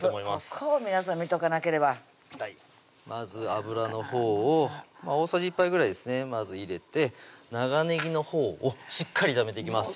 ここを皆さん見とかなければまず油のほうを大さじ１杯ぐらいですねまず入れて長ねぎのほうをしっかり炒めていきます